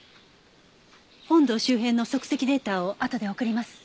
本堂周辺の足跡データをあとで送ります。